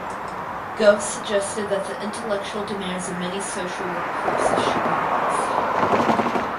Gove suggested that the intellectual demands of many social work courses should be raised.